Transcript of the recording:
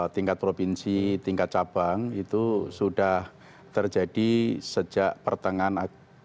tingkat provinsi tingkat cabang itu sudah terjadi sejak pertengahan tahun dua ribu enam belas